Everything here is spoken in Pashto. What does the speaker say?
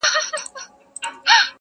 قلا د مېړنو ده څوک به ځي څوک به راځي،